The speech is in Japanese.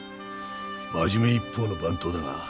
真面目一方の番頭だが。